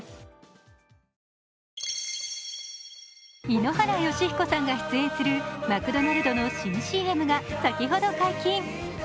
井ノ原快彦さんが出演するマクドナルドの新ＣＭが先ほど解禁。